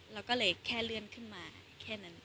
เราก็เลยแค่เลื่อนขึ้นมาแค่นั้น